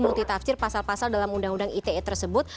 multi tafsir pasal pasal dalam undang undang ite tersebut